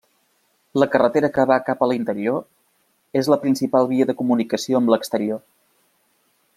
La carretera que va cap a l’interior és la principal via de comunicació amb l’exterior.